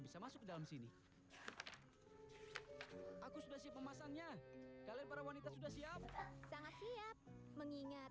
bisa masuk ke dalam sini aku sudah siap memasangnya kalian para wanita sudah siap sangat siap mengingat